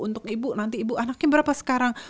untuk ibu nanti ibu anaknya berapa sekarang